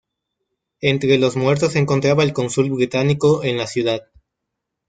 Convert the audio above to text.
Entre los muertos se encontraba el cónsul británico en la ciudad.